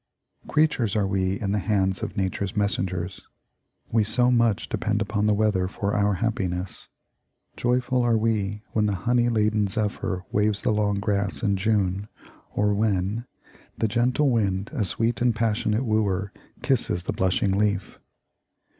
Creatures are we in the hands of nature's messengers. We so much depend upon the weather for our happiness. Joyful are we when the honey laden zephyr waves the long grass in June, or when "The gentle wind, a sweet and passionate wooer, Kisses the blushing leaf."